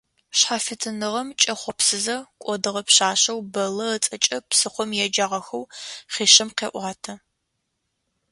Шъхьафитныгъэм кӏэхъопсызэ кӏодыгъэ пшъашъэу Бэллэ ыцӏэкӏэ псыхъом еджагъэхэу хъишъэм къеӏуатэ.